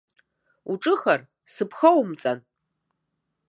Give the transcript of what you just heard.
Уҿыхар, сыԥхоумҵан!